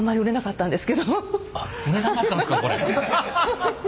あっ売れなかったんですかこれ。